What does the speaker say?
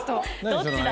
どっちだ？